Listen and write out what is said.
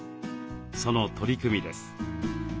その取り組みです。